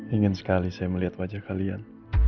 ingin sekali saya melihat wajah kalian